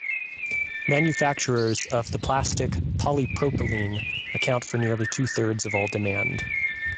Manufacturers of the plastic polypropylene account for nearly two thirds of all demand.